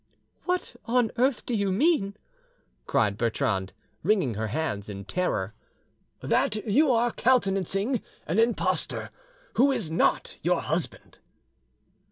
"What on earth do you mean?" cried Bertrande, wringing her hands in terror. "That you are countenancing an impostor who is not your husband."